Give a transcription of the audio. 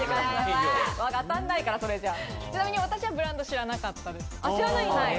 ちなみに私はブランドを知らなかったです。